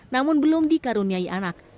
namun belum dikaruniai anak